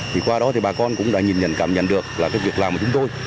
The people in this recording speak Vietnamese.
thì qua đó thì bà con cũng đã nhìn nhận cảm nhận được là cái việc làm của chúng tôi